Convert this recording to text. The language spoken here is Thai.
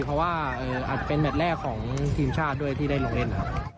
เพราะว่าอาจเป็นแมทแรกของทีมชาติด้วยที่ได้ลงเล่นครับ